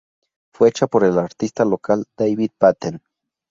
Fue hecha por el artista local David Patten.